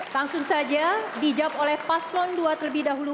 langsung saja dijawab oleh paslon dua terlebih dahulu